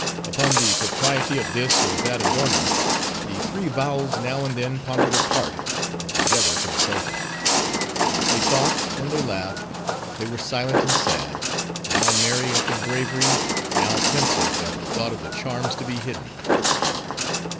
Upon the propriety of this or that adornment, the three Vowels now and then pondered apart, or together consulted. They talked and they laughed; they were silent and sad; now merry at their bravery; now pensive at the thought of the charms to be hidden.